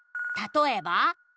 「たとえば？」